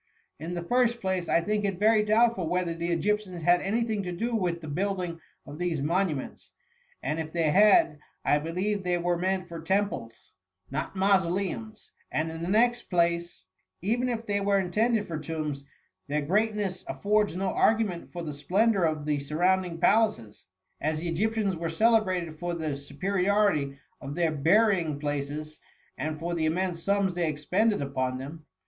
In the first place, I think it very doubtful whether the Egyptians had any thing to do with the build ing of these monuments; and if they had, I believe they were meant for temples, not mauso leums ; and in the next place, even if they were intended for tombs, their greatness af fords no argument for the splendour of the sur rounding palaces ; as the Egyptians were cele brated for the superiority of their burying places, and for the immense sums they expended upon them.